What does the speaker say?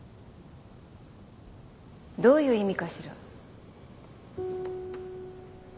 どういう意味かしら？